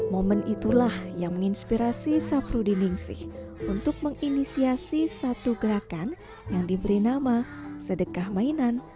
momen itulah yang menginspirasi safrudin ningsih untuk menginisiasi satu gerakan yang diberi nama sedekah mainan